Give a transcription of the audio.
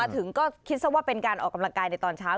ถึงก็คิดซะว่าเป็นการออกกำลังกายในตอนเช้า